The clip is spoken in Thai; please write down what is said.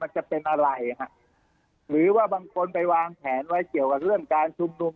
จะเป็นอะไรหรือว่าบางคนเขียนโดยการชุมนุม